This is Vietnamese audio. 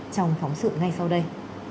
trong phóng sự ngay sau đây